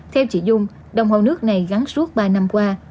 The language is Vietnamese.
theo chị dung đồng hồ nước này gắn suốt ba năm qua